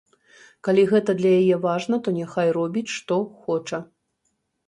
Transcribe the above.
Калі гэта для яе важна, то няхай робіць што хоча.